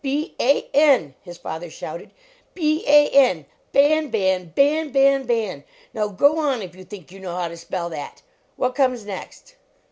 "B a n!" his father shouted, "B a n, Ban! Ban! Ban! Ban! Ban! Now go on, if you think you know how to spell that! What comes next?